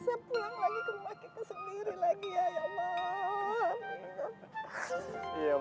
kita bisa pulang lagi ke rumah kita sendiri lagi ya ya allah